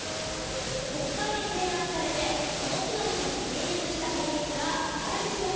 国会で提案されてその日のうちに成立した法律はあるでしょうか？